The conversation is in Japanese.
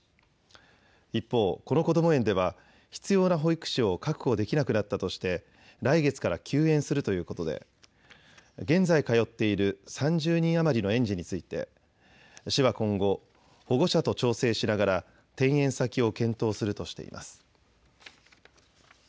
一方、このこども園では必要な保育士を確保できなくなったとして来月から休園するということで現在通っている３０人余りの園児について市は今後、保護者と調整しながら転園先を検討するとしています。